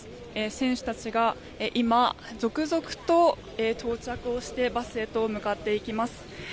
選手たちが今、続々と到着をしてバスへと向かっていきます。